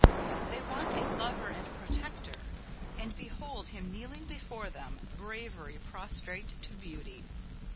They want a lover and protector: and behold him kneeling before them bravery prostrate to beauty!